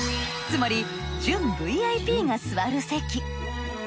つまり準ＶＩＰが座る席。